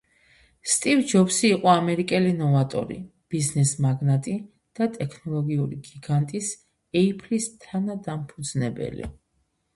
სტივ ჯობსი იყო ამერიკელი ნოვატორი, ბიზნესმაგნატი და ტექნოლოგიური გიგანტის, Apple-ის, თანადამფუძნებელი.